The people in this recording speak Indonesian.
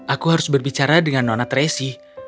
aku harus berbicara dengan nona tracy